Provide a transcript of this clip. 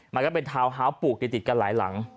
มันก็เป็นทาวน์ฮาวส์ปลูกติดกันหลายหลัง